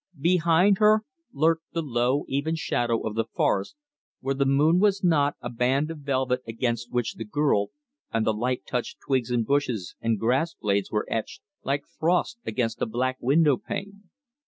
Behind her lurked the low, even shadow of the forest where the moon was not, a band of velvet against which the girl and the light touched twigs and bushes and grass blades were etched like frost against a black window pane.